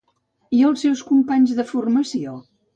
I els seus companys de formació?